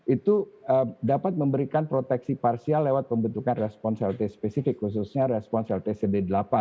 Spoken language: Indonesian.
itu dapat memberikan proteksi parsial lewat pembentukan respons lt spesifik khususnya respons lt cd delapan